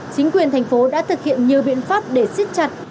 chính quyền thành phố đã thực hiện nhiều biện pháp để siết chặt